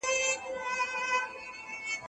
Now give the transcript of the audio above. هغه استاد چي یوازي لار ښيي شاګردان ډېر خپلواک روزي.